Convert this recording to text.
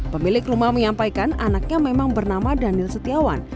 pemilik rumah menyampaikan anaknya memang bernama daniel setiawan